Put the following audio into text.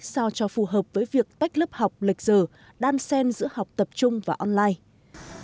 so cho phù hợp với việc tách lớp học lịch giờ đan sen giữa học tập trung và online